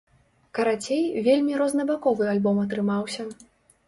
Карацей, вельмі рознабаковы альбом атрымаўся.